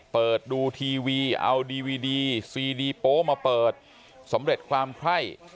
เปิดดูทีวีเอาดีวีดีซีดีโป๊มาเปิดสำเร็จความไคร่